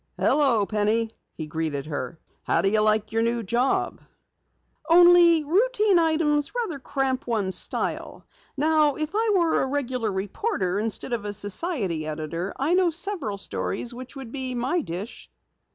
"Hello, Penny," he greeted her. "How do you like your new job?" "Fine and dandy. Only routine items rather cramp one's style. Now if I were a regular reporter instead of a society editor, I know several stories which would be my dish!"